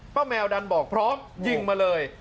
แมวดันบอกพร้อมยิงมาเลย